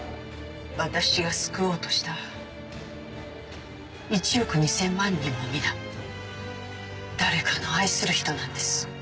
私が救おうとした１億２０００万人も皆誰かの愛する人なんです。